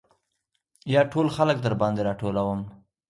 يا ټول خلک درباندې راټولم .